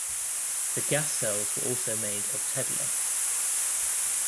The gas cells were also made of Tedlar.